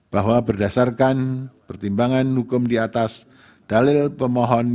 bahwa berdasarkan pertimbangan hukum di atas dalil pemohon